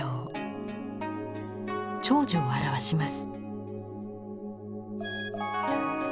長寿を表します。